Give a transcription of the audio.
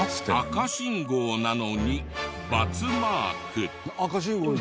赤信号なのにバツマーク。